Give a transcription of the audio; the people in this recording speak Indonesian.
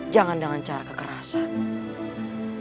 jangan dengan cara kekerasan